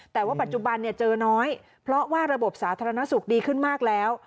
แต่ว่าปัจจุบันเจอน้อยเพราะว่าระบบสาธารณสุขดีขึ้นมากแล้ว